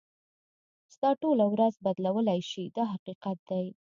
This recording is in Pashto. ستا ټوله ورځ بدلولای شي دا حقیقت دی.